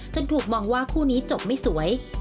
ถูกมองว่าคู่นี้จบไม่สวย